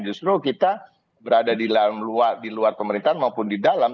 justru kita berada di luar pemerintahan maupun di dalam